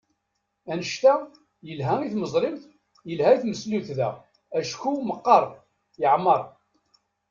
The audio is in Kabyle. Annect-a, yelha i tmeẓriwt, yelha i tmesliwt daɣ, acku meqqer, yeɛmer.